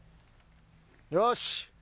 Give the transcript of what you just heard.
よし！